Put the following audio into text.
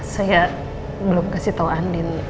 saya belum kasih tahu andin